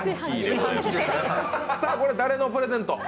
これ、誰のプレゼント？